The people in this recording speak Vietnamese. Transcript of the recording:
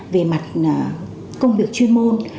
về mặt công việc chuyên môn